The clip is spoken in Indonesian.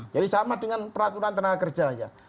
jadi sama dengan peraturan tenaga kerja